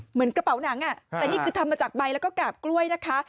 เหมือนกระเป๋าหนังแต่นี่คือทำมาจากใบแล้วก็กาบกล้วยนะคะ